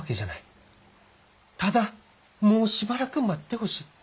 ただもうしばらく待ってほしい。